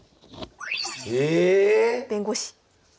え⁉弁護士。